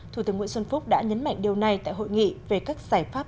thủ tướng nguyễn xuân phúc đã nhấn mạnh điều này tại hội nghị về các giải pháp